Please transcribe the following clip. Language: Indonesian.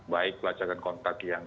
baik pelacakan kontak yang